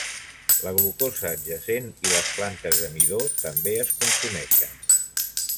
La glucosa adjacent i les plantes de midó també es consumeixen.